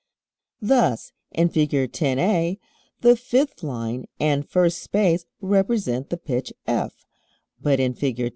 Thus in Fig. 10 (a) the fifth line and first space represent the pitch F, but in Fig.